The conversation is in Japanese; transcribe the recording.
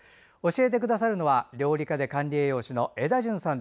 教えてくださるのは料理家で管理栄養士のエダジュンさん。